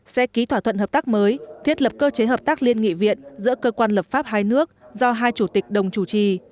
sẽ ký thỏa thuận hợp tác mới thiết lập cơ chế hợp tác liên nghị viện giữa cơ quan lập pháp hai nước do hai chủ tịch đồng chủ trì